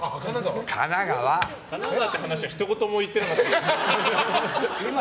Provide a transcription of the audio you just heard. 神奈川っていう話はひと言も言ってなかったです。